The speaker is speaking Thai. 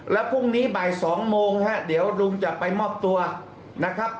แล้วพรุ่งนี้บ่าย๒โมงฮะเดี๋ยวลุงจะไปมอบตัวนะครับ